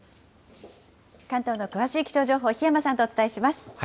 関東の詳しい気象情報、檜山さんとお伝えします。